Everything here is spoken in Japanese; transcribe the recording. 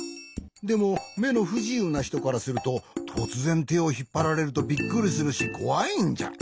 でもめのふじゆうなひとからするととつぜんてをひっぱられるとびっくりするしこわいんじゃ。